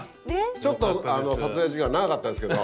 ちょっと撮影時間長かったですけど。